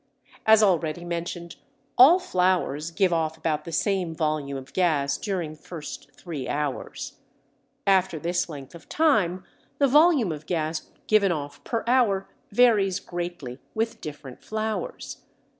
As already mentioned all flours give off about the same volume of gas during the first three hours. After this length of time the volume of gas given off per hour varies greatly with different flours.